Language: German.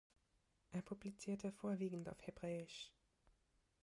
Er publizierte vorwiegend auf Hebräisch.